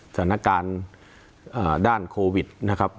สถานการณ์ด้านโควิดนะครับ